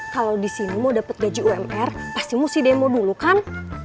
kalau di sini mau dapat gaji umr pasti mesti demo dulu kan